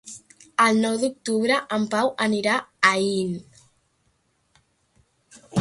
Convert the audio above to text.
El nou d'octubre en Pau anirà a Aín.